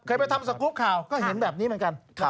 ไปทำสกรูปข่าวก็เห็นแบบนี้เหมือนกัน